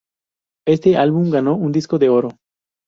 Este álbum ganó un Disco de Oro.